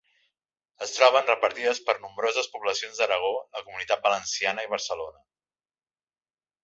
Es troben repartides per nombroses poblacions d'Aragó, la comunitat valenciana i Barcelona.